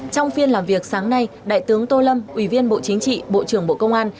trong phiên làm việc sáng nay đại tướng tô lâm ủy viên bộ chính trị bộ trưởng bộ công an